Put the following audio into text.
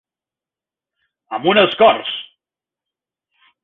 Amunt els cors!